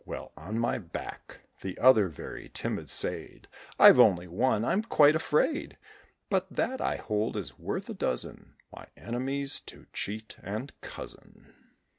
"Well, on my back," The other, very timid, said, "I've only one, I'm quite afraid; But that, I hold, is worth a dozen, My enemies to cheat and cozen."